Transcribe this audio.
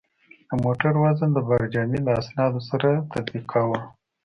د موټر وزن د بارجامې له اسنادو سره تطبیقاوه.